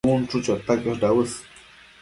cun chu chota quiosh dauës